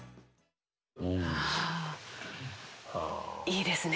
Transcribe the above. いいですね。